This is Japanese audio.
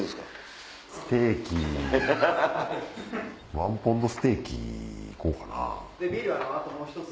１ポンドステーキ行こうかな。